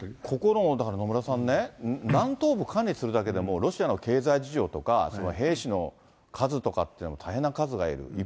ここのだから、野村さんね、南東部管理するだけでも、ロシアの経済事情とか、兵士の数とかっていうのは、大変な数がいる。